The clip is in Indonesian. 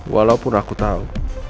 walaupun aku tau